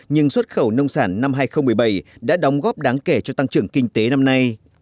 nhưng xuất khẩu nông sản năm hai nghìn một mươi bảy đã đóng góp đáng kể cho tăng trưởng kinh tế năm nay